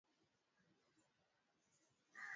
Juu ya suala la ni nani mwenye uwamuzi wa mwanamke